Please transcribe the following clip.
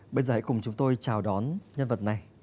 bây giờ hãy cùng chúng tôi chào đón nhân vật này